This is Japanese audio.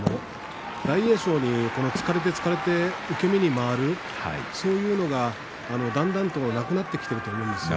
大栄翔突かれて突かれて受け身に回るそういうのが、だんだんとなくなってきていると思うんです。